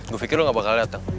gue pikir lo gak bakal datang